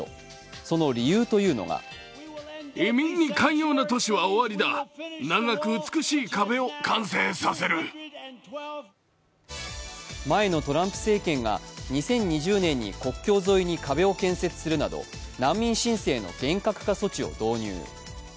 その理由というのが前のトランプ政権が２０２０年に国境沿いに壁を建設するなど難民申請の厳格化措置を導入。